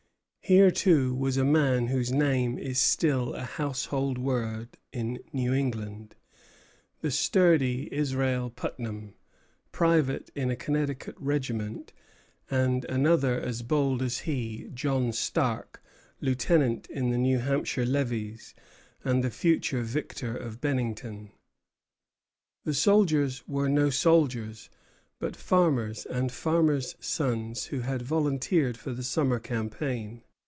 Here, too, was a man whose name is still a household word in New England, the sturdy Israel Putnam, private in a Connecticut regiment; and another as bold as he, John Stark, lieutenant in the New Hampshire levies, and the future victor of Bennington. The soldiers were no soldiers, but farmers and farmers' sons who had volunteered for the summer campaign.